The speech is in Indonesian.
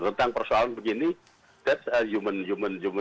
tentang persoalan begini itu adalah kesalahan manusia